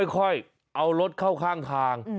ค่อยเอารถเข้าข้างทาง